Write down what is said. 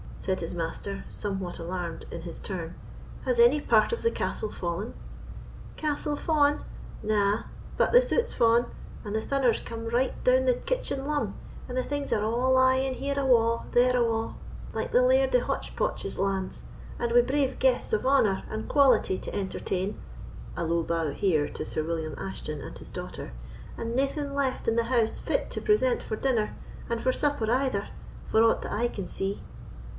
said his master, somewhat alarmed in his turn; "has any part of the castle fallen?" "Castle fa'an! na, but the sute's fa'an, and the thunner's come right down the kitchen lum, and the things are a' lying here awa', there awa', like the Laird o' Hotchpotch's lands; and wi' brave guests of honour and quality to entertain (a low bow here to Sir William Ashton and his daughter), and naething left in the house fit to present for dinner, or for supper either, for aught that I can see!"